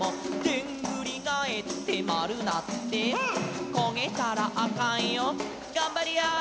「でんぐりがえってまるなって」「こげたらあかんよがんばりやー」